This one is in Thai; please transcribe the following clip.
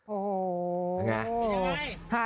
โอ้โห